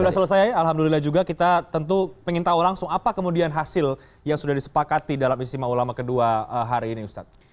sudah selesai alhamdulillah juga kita tentu ingin tahu langsung apa kemudian hasil yang sudah disepakati dalam istimewa ulama kedua hari ini ustadz